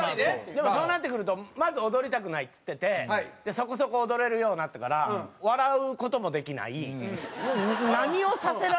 でもそうなってくるとまず「踊りたくない」っつっててそこそこ踊れるようなったから笑う事もできない。